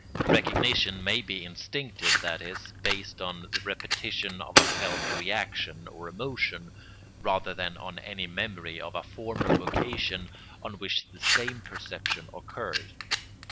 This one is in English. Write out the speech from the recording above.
Recognition may be instinctive, that is, based on the repetition of a felt reaction or emotion, rather than on any memory of a former occasion on which the same perception occurred.